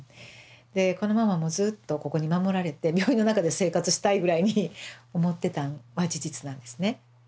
でこのままもうずっとここに守られて病院の中で生活したいぐらいに思ってたんは事実なんですね。